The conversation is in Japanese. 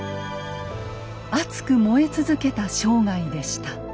熱く燃え続けた生涯でした。